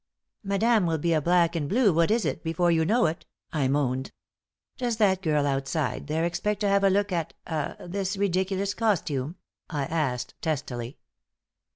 "Madame will be a black and blue what is it before you know it," I moaned. "Does that girl outside there expect to have a look at ah this ridiculous costume?" I asked, testily.